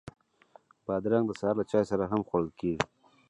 بادرنګ د سهار له چای سره هم خوړل کېږي.